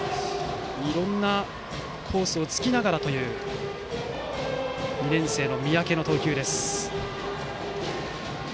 いろんなコースを突きながらの２年生の三宅の投球です。